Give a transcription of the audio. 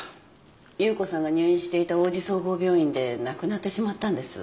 夕子さんが入院していた大路総合病院でなくなってしまったんです。